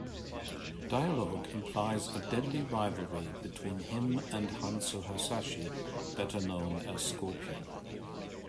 Dialogue implies a deadly rivalry between him and Hanzo Hasashi, better known as Scorpion.